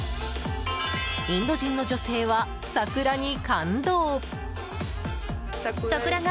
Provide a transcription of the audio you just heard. インド人の女性は桜に感動！